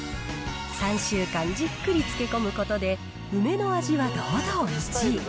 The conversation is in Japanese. ３週間じっくり漬け込むことで、梅の味は堂々１位。